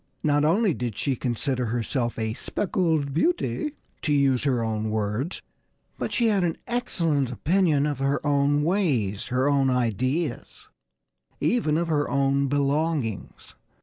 Not only did she consider herself a "speckled beauty" (to use her own words) but she had an excellent opinion of her own ways, her own ideas even of her own belongings.